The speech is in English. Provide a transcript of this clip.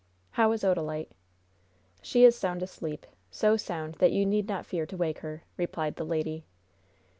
"How is Odalite?" "She is sound asleep so sound that you need not fear to wake her," replied the lady.